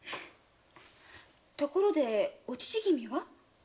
ところでお父君は？